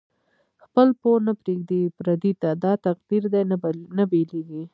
خپل پور نه پریږدی پردی ته، دا تقدیر دۍ نه بیلیږی